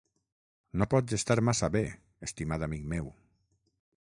No pots estar massa bé, estimat amic meu.